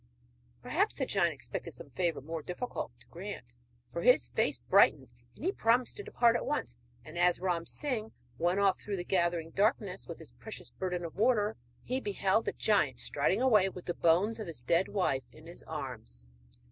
Perhaps the giant expected some favour more difficult to grant, for his face brightened, and he promised to depart at once; and as Ram Singh went off through the gathering darkness with his precious burden of water, he beheld the giant striding away with the bones of his dead wife in his arms.